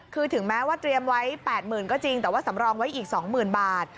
คือถึงแม้ว่าเตรียมไว้๘๐๐๐ก็จริงแต่ว่าสำรองไว้อีก๒๐๐๐บาท